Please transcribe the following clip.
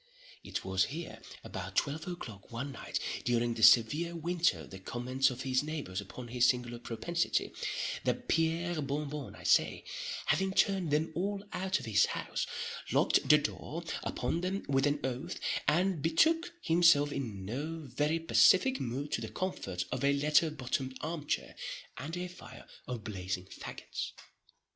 It was here, about twelve o'clock one night during the severe winter of ——, that Pierre Bon Bon, after having listened to the comments of his neighbours upon his singular propensity—that Pierre Bon Bon, I say, having turned them all out of his house, locked the door upon them with an oath, and betook himself in no very pacific mood to the comforts of a leather bottomed arm chair, and a fire of blazing fagots.